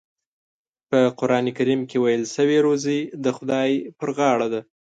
په قرآن کریم کې ویل شوي روزي د خدای په غاړه ده.